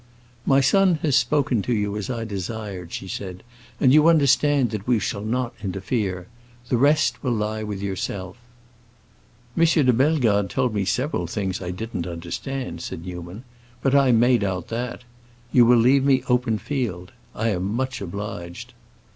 "My son has spoken to you as I desired," she said, "and you understand that we shall not interfere. The rest will lie with yourself." "M. de Bellegarde told me several things I didn't understand," said Newman, "but I made out that. You will leave me open field. I am much obliged."